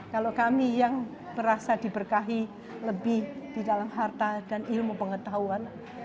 kalau kami yang merasa diberkahi lebih di dalam harta dan ilmu pengetahuan